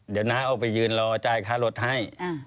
เดี๋ยวน้าเอาไปยืนรอจ่ายค่ารถให้